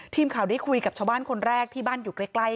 ทีมข่าวได้คุยกับชาวบ้านคนแรกที่บ้านอยู่ใกล้